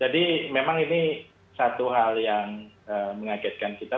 jadi memang ini satu hal yang mengagetkan kita